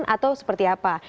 atau seperti apa